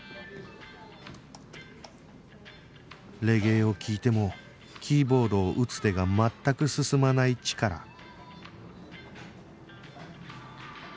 レゲエを聴いてもキーボードを打つ手が全く進まないチカラ